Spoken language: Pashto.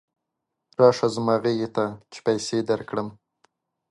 راشه زما غېږې ته چې پیسې درکړم.